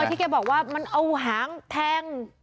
ที่แกบอกว่ามันเอาหางแทง